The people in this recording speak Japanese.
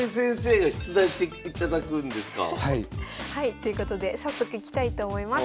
ということで早速いきたいと思います。